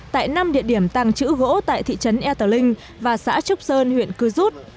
tại năm địa điểm tàng trữ gỗ tại thị trấn etre linh và xã trúc sơn huyện cư rút